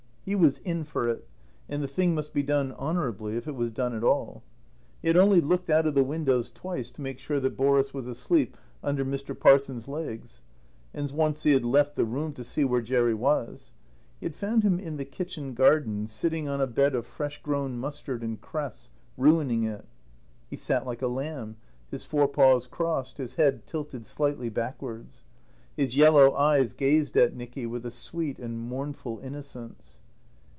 He was in for it, and the thing must be done honourably if it was done at all. He had only looked out of the windows twice to make sure that Boris was asleep under Mr. Parsons' legs. And once he had left the room to see where Jerry was. He had found him in the kitchen garden, sitting on a bed of fresh grown mustard and cress, ruining it. He sat like a lamb, his forepaws crossed, his head tilted slightly backwards. His yellow eyes gazed at Nicky with a sweet and mournful innocence.